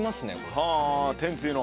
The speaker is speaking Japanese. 天つゆの？